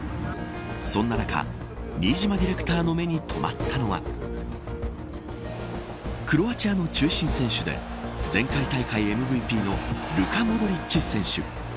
そんな中、新島ディレクターの目にとまったのはクロアチアの中心選手で前回大会ＭＶＰのルカ・モドリッチ選手。